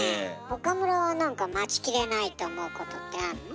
岡村はなんか待ちきれないと思うことってあんの？